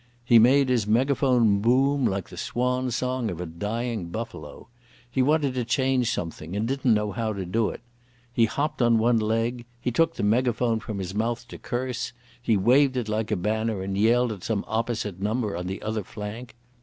He made his megaphone boom like the swan song of a dying buffalo. He wanted to change something and didn't know how to do it. He hopped on one leg; he took the megaphone from his mouth to curse; he waved it like a banner and yelled at some opposite number on the other flank.